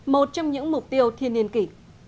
một trong những mục tiêu thiên niên kỷ